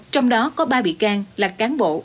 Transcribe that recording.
trong đó có ba bị can là cán bộ